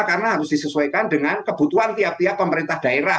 karena harus disesuaikan dengan kebutuhan tiap tiap pemerintah daerah